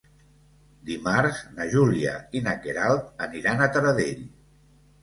Dimarts na Júlia i na Queralt aniran a Taradell.